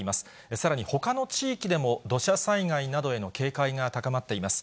さらにほかの地域でも土砂災害などへの警戒が高まっています。